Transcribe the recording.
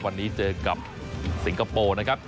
วันนี้เจอกับสิงคโปร์นะครับ